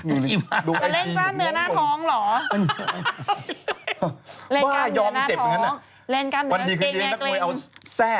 นึกเห็นเหมาะนะเอ้อจริงผมจะเล่นการเนื้อหน้าท้องเหรอ